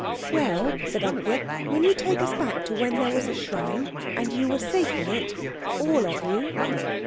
"Well," said Anthea, "will you take us back to when there was a shrine and you were safe in it—all of you?"